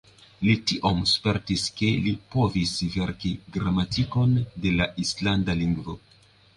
Li tiom spertis ke li povis verki gramatikon de la islanda lingvo.